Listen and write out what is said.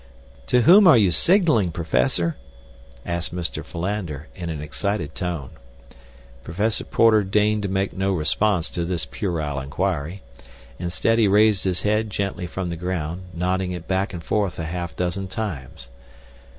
"To whom are you signaling, Professor?" asked Mr. Philander, in an excited tone. Professor Porter deigned to make no response to this puerile inquiry. Instead he raised his head gently from the ground, nodding it back and forth a half dozen times.